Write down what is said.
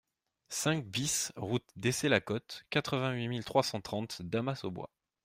cinq BIS route d'Essey-la-Côte, quatre-vingt-huit mille trois cent trente Damas-aux-Bois